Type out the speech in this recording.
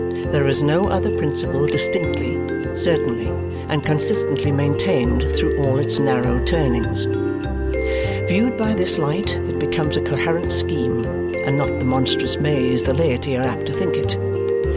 There is no other principle distinctly, certainly, and consistently maintained through all its narrow turnings. Viewed by this light it becomes a coherent scheme and not the monstrous maze the laity are apt to think it.